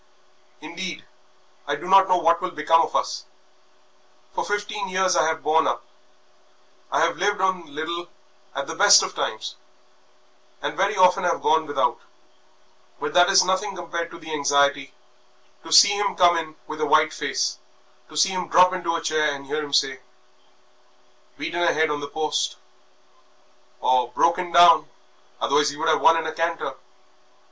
Indeed, I don't know what will become of us. For fifteen years I have borne up; I have lived on little at the best of times, and very often have gone without; but that is nothing compared to the anxiety to see him come in with a white face, to see him drop into a chair and hear him say, 'Beaten a head on the post,' or 'Broke down, otherwise he would have won in a canter.'